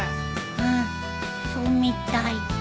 うんそうみたい。